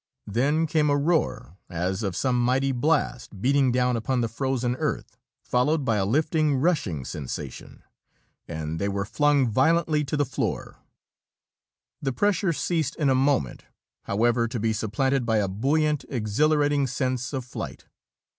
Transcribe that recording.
Then came a roar, as of some mighty blast beating down upon the frozen earth, followed by a lifting, rushing sensation and they were flung violently to the flooring. The pressure ceased in a moment, however, to be supplanted by a buoyant, exhilarating sense of flight.